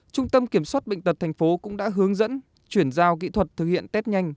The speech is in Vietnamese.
trung tâm kiểm soát bệnh tật tp cũng đã hướng dẫn chuyển giao kỹ thuật thực hiện test nhanh